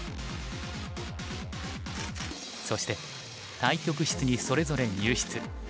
そして対局室にそれぞれ入室。